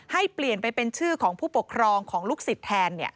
ให้เปลี่ยนไปเป็นชื่อของผู้ปกครองของลูกศิษย์แทน